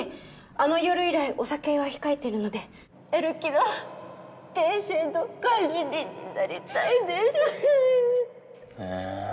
あの夜以来お酒は控えてるのでやる気の源泉の管理人になりたいんですええー